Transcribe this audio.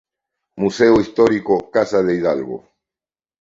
Museo Histórico Casa de Hidalgo.